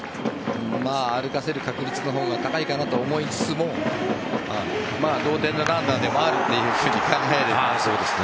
歩かせる確率の方が高いかなと思いつつも同点のランナーでもあるというふうに考える。